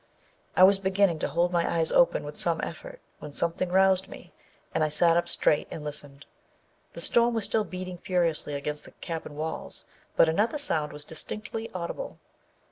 I was beginning to hold my eyes open with some effort, when some thing roused me, and I sat up straight and listened. The storm was still beating furiously against the cabin walls, but another sound was distinctly audible.